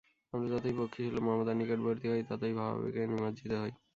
আমরা যতই পক্ষিসুলভ মমতার নিকটবর্তী হই, ততই ভাবাবেগে নিমজ্জিত হই।